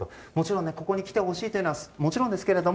ここに来てほしいというのはもちろんですけど